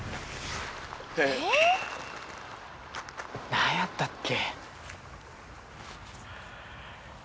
誰やったっけ？